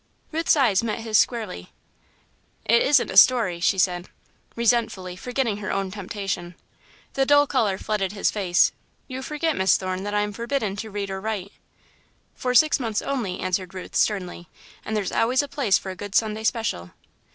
Ruth's eyes met his squarely. "'T isn't a 'story,'" she said, resentfully, forgetting her own temptation. The dull colour flooded his face. "You forget, Miss Thorne, that I am forbidden to read or write." "For six months only," answered Ruth, sternly, "and there's always a place for a good Sunday special."